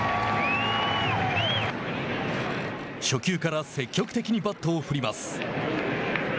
初球から積極的にバットを振ります。